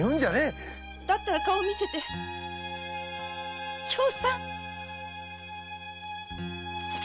だったら顔を見せて長さん！